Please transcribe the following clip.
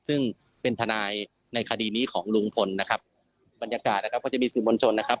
ซึ่งเป็นทนายในคดีนี้ของลุงพลนะครับบรรยากาศนะครับก็จะมีสื่อมวลชนนะครับ